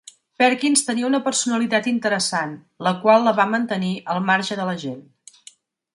Perkins tenia una personalitat interessant, la qual la va mantenir al marge de la gent.